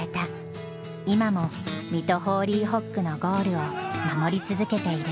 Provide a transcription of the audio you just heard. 今も水戸ホーリーホックのゴールを守り続けている。